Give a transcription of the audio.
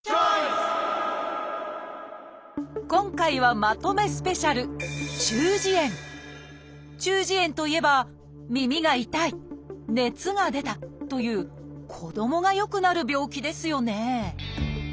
今回はまとめスペシャル「中耳炎」といえば「耳が痛い」「熱が出た」という子どもがよくなる病気ですよね